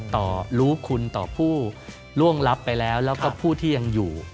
รู้คุณต่อผู้ล่วงลับไปแล้วแล้วก็ผู้ที่ยังอยู่